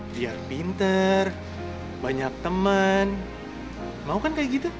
biar pinter banyak temen mau kan kaya gitu